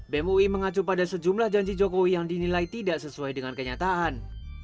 bemui mengacu pada sejumlah janji jokowi yang dinilai tidak sesuai dengan kenyataan